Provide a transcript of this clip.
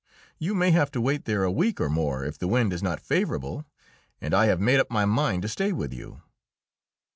You may have to wait there a week or more if the wind is not favourable, and I have made up my mind to stay with you."